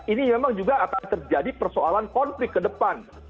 ini memang juga akan terjadi persoalan konflik ke depan